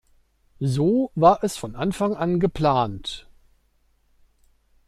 So war es von Anfang an geplant.